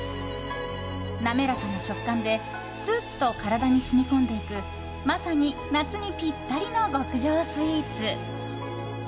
滑らかな食感ですっと体に染み込んでいくまさに夏にぴったりの極上スイーツ。